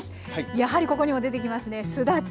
やはりここにも出てきますねすだち。